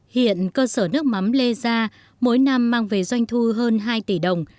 hiện cơ sở nước mắm lê gia mỗi năm mang về doanh thu hơn hai tỷ đồng